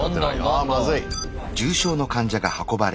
あまずい。